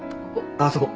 あっそこ。